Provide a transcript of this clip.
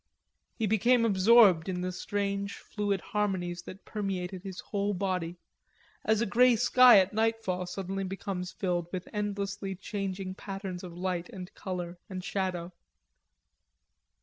He became absorbed in the strange fluid harmonies that permeated his whole body, as a grey sky at nightfall suddenly becomes filled with endlessly changing patterns of light and color and shadow.